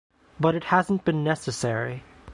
But it hasn’t been necessary.